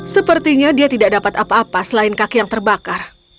sepertinya dia tidak dapat apa apa selain kaki yang terbakar